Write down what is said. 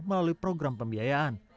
melalui program pembiayaan